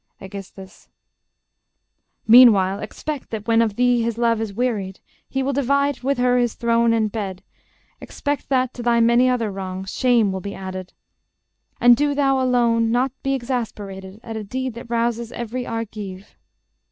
Aegis. Meanwhile Expect that when of thee his love is wearied, He will divide with her his throne and bed; Expect that, to thy many other wrongs, Shame will be added: and do thou alone Not be exasperated at a deed That rouses every Argive.